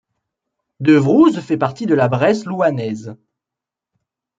Devrouze fait partie de la Bresse louhannaise.